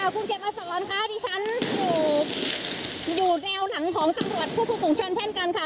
คุณเกดมาสอนคะที่ฉันอยู่แนวหลังของตำรวจผู้ผู้ฝงชนเช่นกันค่ะ